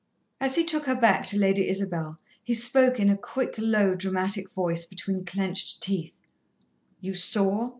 As he took her back to Lady Isabel, he spoke in a quick, low, dramatic voice between clenched teeth: "You saw?